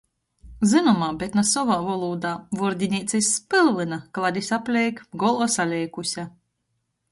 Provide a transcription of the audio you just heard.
Zynomā, bet na sovā volūdā. Vuordineica iz spylvyna, kladis apleik, golva saleikuse.